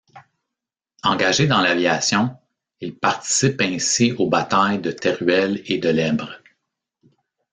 Engagé dans l'aviation, il participe ainsi aux batailles de Teruel et de l'Èbre.